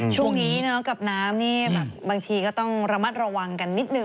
ช่วงนี้กับน้ำนี่แบบบางทีก็ต้องระมัดระวังกันนิดหนึ่ง